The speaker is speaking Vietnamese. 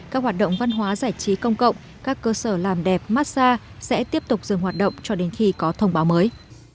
các hoạt động văn hóa giải trí công cộng các cơ sở làm đẹp massage sẽ tiếp tục dừng hoạt động cho đến khi có thông báo mới